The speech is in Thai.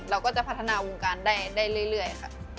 เราก็จะพัฒนาวงการได้เรื่อยค่ะ